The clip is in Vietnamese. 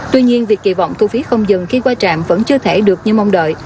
tuy nhiên việc kỳ vọng thu phí không dừng khi qua trạm vẫn chưa thể được như mong đợi